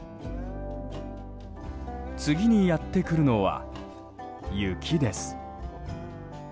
次にやってくるのは、雪です。